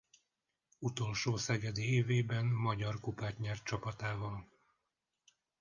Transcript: Utolsó szegedi évében Magyar Kupát nyert csapatával.